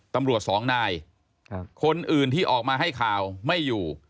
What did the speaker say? ตำรวจสองนายคนอื่นที่ออกมาให้ข่าวไม่อยู่